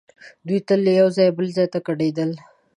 دوی تل له یو ځایه بل ځای ته کډېدل.